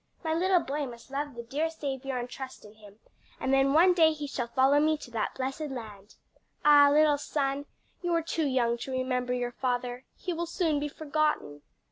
My little boy must love the dear Saviour and trust in him, and then one day he shall follow me to that blessed land. Ah, little son, you are too young to remember your father. He will soon be forgotten!"